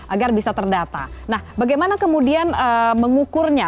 agar bisa terdata nah bagaimana kemudian mengukurnya